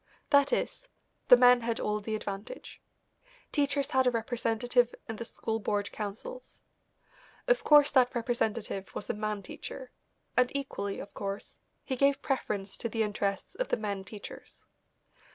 That is, the men had all the advantage. Teachers had a representative in the school board councils. Of course that representative was a man teacher, and equally of course, he gave preference to the interests of the men teachers.